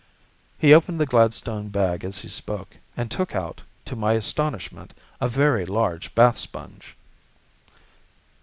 He opened the Gladstone bag as he spoke, and took out, to my astonishment, a very large bath sponge. "He!